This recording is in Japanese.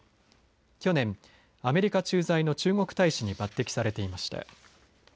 去年アメリカ駐在の中国大使に抜てきされていました。